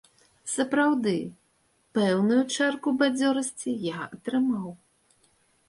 Сапраўды, пэўную чарку бадзёрасці я атрымаў.